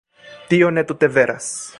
Tio ne tute veras.